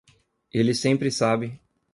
Ele sempre sabe